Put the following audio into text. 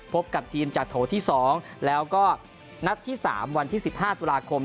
พบกับทีมจากโถที่๒แล้วก็นัดที่๓วันที่๑๕ตุลาคม